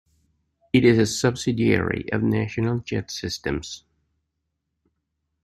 It is a subsidiary of National Jet Systems.